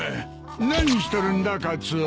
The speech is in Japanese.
何しとるんだカツオ。